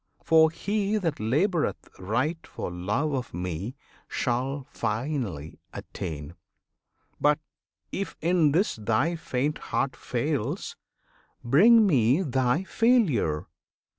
For he that laboureth right for love of Me Shall finally attain! But, if in this Thy faint heart fails, bring Me thy failure!